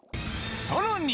さらに。